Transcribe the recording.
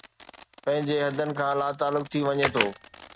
پنهنجي حدن کان لاتعلق ٿي وڃي ٿو